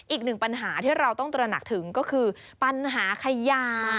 อีกหนึ่งปัญหาที่เราต้องตระหนักถึงก็คือปัญหาขยะ